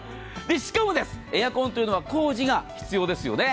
しかも、エアコンというのは工事が必要ですよね。